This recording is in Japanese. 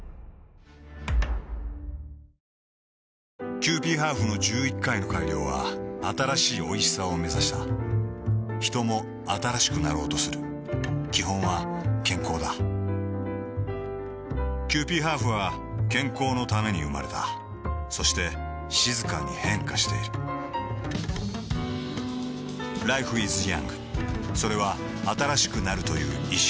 キユーピーハーフの１１回の改良は新しいおいしさをめざしたヒトも新しくなろうとする基本は健康だキユーピーハーフは健康のために生まれたそして静かに変化しているＬｉｆｅｉｓｙｏｕｎｇ．それは新しくなるという意識